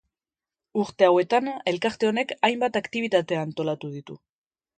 Urte hauetan elkarte honek hainbat aktibitate antolatu ditu.